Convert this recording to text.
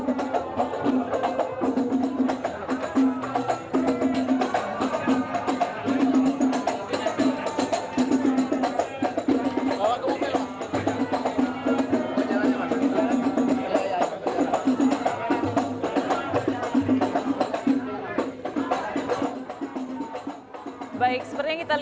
jatian epa jayante